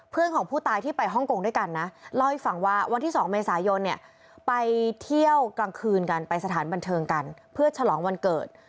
ของผู้ตายที่ไปฮ่องกงด้วยกันนะเล่าให้ฟังว่าวันที่๒เมษายนเนี่ยไปเที่ยวกลางคืนกันไปสถานบันเทิงกันเพื่อฉลองวันเกิด